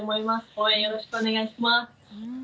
応援よろしくお願いします。